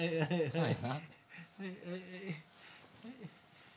はい。